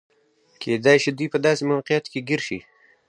کېدای شي دوی په داسې موقعیت کې ګیر شي.